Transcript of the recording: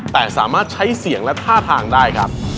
แต่สามารถใช้เสียงและท่าทางได้ครับ